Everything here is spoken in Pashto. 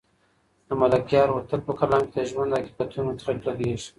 د ملکیار هوتک په کلام کې د ژوند د حقیقتونو څرک لګېږي.